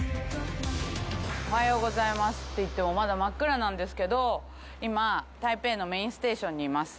おはようございますと言ってもまだ真っ暗なんですけど、今、台北のメインステーションにいます。